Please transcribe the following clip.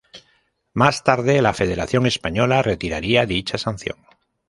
Más tarde la federación española, retiraría dicha sanción.